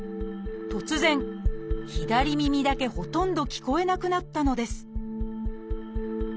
突然左耳だけほとんど聞こえなくなったのです